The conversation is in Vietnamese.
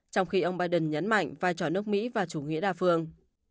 trong khi ông biden nhấn mạnh vai trò nước mỹ và chủ nghĩa đa phương